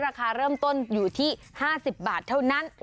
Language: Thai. ราคาเริ่มต้นอยู่ที่๕๐บาทเท่านั้น